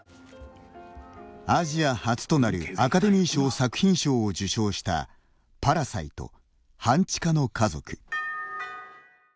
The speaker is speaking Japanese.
アジア初となるアカデミー賞作品賞を受賞した「パラサイト半地下の家族」。